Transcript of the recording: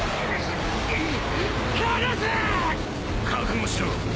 覚悟しろ。